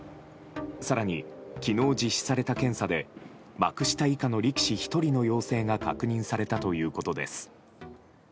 更に、昨日実施された検査で幕下以下の力士１人の陽性が確認されたということです。